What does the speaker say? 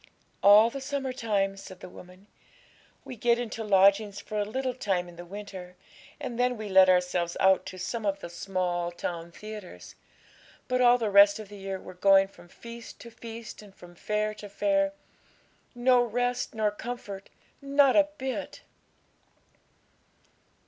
'All the summer time,' said the woman. 'We get into lodgings for a little time in the winter; and then we let ourselves out to some of the small town theatres; but all the rest of the year we're going from feast to feast and from fair to fair no rest nor comfort, not a bit!'